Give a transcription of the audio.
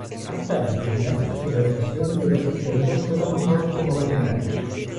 Más tarde y gracias a su reputación de feroces guerreros fueron usados como mercenarios.